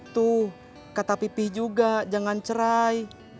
tuh kata pipih juga jangan cerai